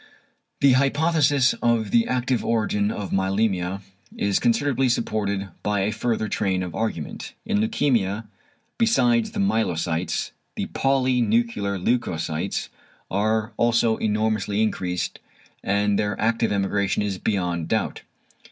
The hypothesis of the active origin of myelæmia is considerably supported by a further train of argument. In leukæmia, besides the myelocytes, the polynuclear leucocytes are also enormously increased, and their active emigration is beyond doubt.